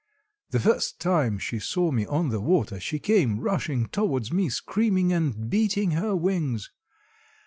The first time she saw me on the water, she came rushing towards me, screaming and beating her wings.